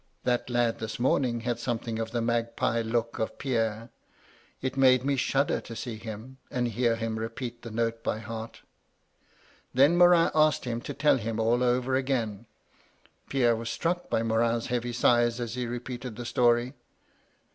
(That lad this morning had something of the magpie look of Pierre — it made me shudder to see him, and hear him repeat the note by heart) Then Morin asked him to tell him all over again. Pierre was struck by Morin's heavy sighs as he repeated the story.